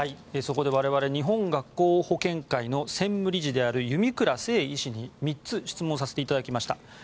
そこで我々日本学校保健会の専務理事弓倉整医師に３つ質問させていただきました。